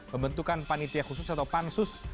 pembentukan panitia khusus atau pansus